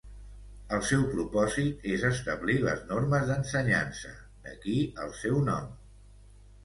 El seu propòsit és establir les normes d'ensenyança, d'aquí el seu nom.